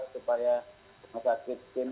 supaya rumah sakit kim